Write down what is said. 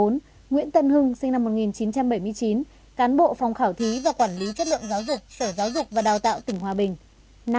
bốn nguyễn tân hưng sinh năm một nghìn chín trăm bảy mươi chín cán bộ phòng khảo thí và quản lý chất lượng giáo dục sở giáo dục và đào tạo tỉnh hòa bình